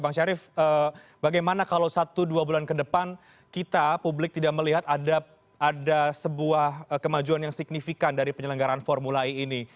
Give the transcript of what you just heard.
bang syarif bagaimana kalau satu dua bulan ke depan kita publik tidak melihat ada sebuah kemajuan yang signifikan dari penyelenggaran formula e ini